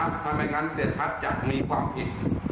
ทำไมงั้นเศษชัตริย์จะมีความผิด